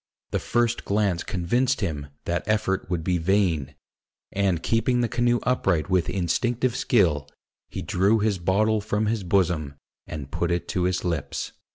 The first glance convinced him that effort would be vain; and keeping the canoe upright with instinctive skill, he drew his bottle from his bosom, and put it to his lips.